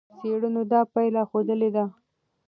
څېړنو دا پایله ښودلې ده.